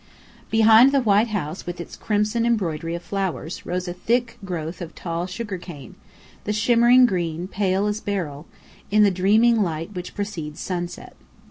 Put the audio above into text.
Behind the white house with its crimson embroidery of flowers, rose a thick growth of tall sugar cane, the shimmering green pale as beryl, in the dreaming light which precedes sunset.